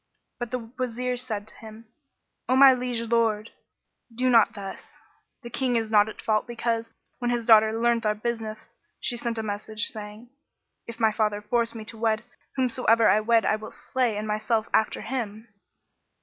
But the Wazir said to him, "O my liege Lord, do not thus: the King is not at fault because, when his daughter learnt our business, she sent a message saying, 'If my father force me to wed, whomsoever I wed I will slay and myself after him.'